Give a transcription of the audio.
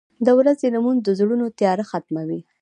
• د ورځې لمونځ د زړونو تیاره ختموي.